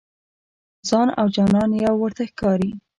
ځان او جانان یو ورته ښکاري.